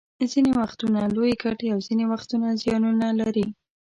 ځینې وختونه لویې ګټې او ځینې وخت زیانونه لري